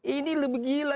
ini lebih gila